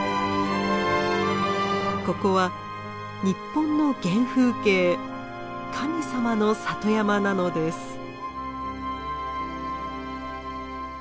ここは日本の原風景神様の里山なのです。